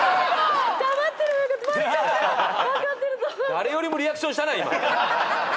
誰よりもリアクションしたな今。